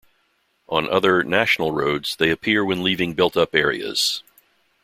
On other national, roads they appear when leaving built-up areas.